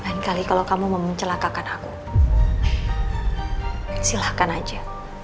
lain kali kalau kamu mau mencelakakan aku silahkan aja